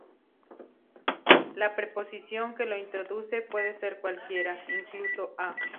La preposición que lo introduce puede ser cualquiera, incluso "a".